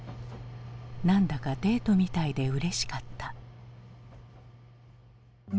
何だかデートみたいでうれしかった。